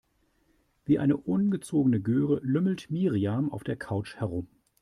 Wie eine ungezogene Göre lümmelt Miriam auf der Couch herum.